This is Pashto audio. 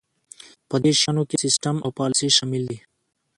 په دې شیانو کې سیستم او پالیسي شامل دي.